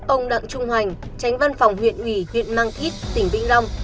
ông đặng trung hoành tránh văn phòng huyện ủy huyện mang thít tỉnh vĩnh long